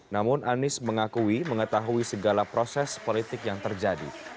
namun anies mengakui mengetahui segala proses politik yang terjadi